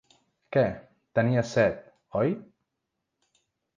Què, tenies set, oi?